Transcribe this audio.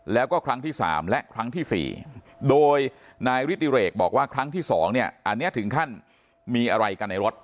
แล้วก็ครั้งที่๓และครั้งที่๔โดยนายฤติเรกบอกว่าครั้งที่๒เนี่ยอันนี้ถึงขั้นมีอะไรกันในรถ